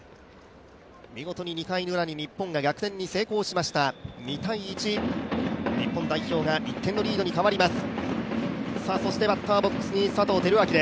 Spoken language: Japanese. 見事に２回のウラに日本が逆転に成功しました、２−１、日本代表が１点のリードに変わります。